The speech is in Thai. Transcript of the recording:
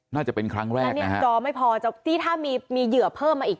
น่าจะเป็นครั้งแรกนะฮะและนี่จอไม่พอที่ถ้ามีเหยื่อเพิ่มมาอีก